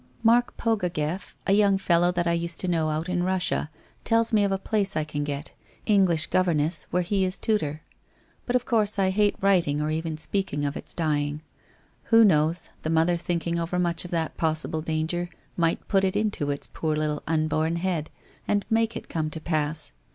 Mark Pogogeff, a young fellow that I used to know out in Russia, tells me of a place I can get — English governess where he is tutor. But of course I hate writing or even speaking of its dying. Who knows, the WHITE ROSE OF WEARY LEAF 413 mother thinking over much of that possible danger might put it into its poor little unborn head to make it come to pass.